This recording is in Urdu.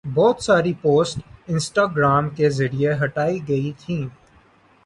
بہت ساری پوسٹ انسٹاگرام کے ذریعہ ہٹائی گئی تھی